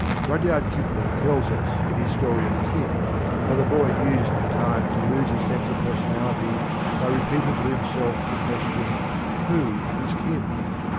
Rudyard Kipling tells us in his story of "Kim" how the boy used at times to lose his sense of personality by repeating to himself the question, Who is Kim?